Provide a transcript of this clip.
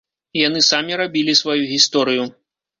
Яны самі рабілі сваю гісторыю.